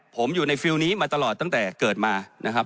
ผมอยู่ในฟิลลนี้มาตลอดตั้งแต่เกิดมานะครับ